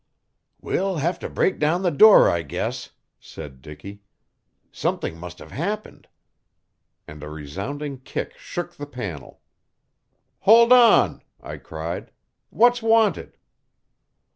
"We'll have to break down the door, I guess," said Dicky. "Something must have happened." And a resounding kick shook the panel. "Hold on!" I cried. "What's wanted?"